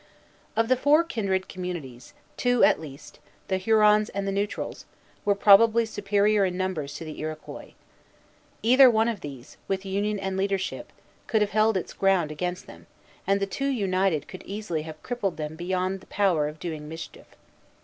Of the four kindred communities, two at least, the Hurons and the Neutrals, were probably superior in numbers to the Iroquois. Either one of these, with union and leadership, could have held its ground against them, and the two united could easily have crippled them beyond the power of doing mischief.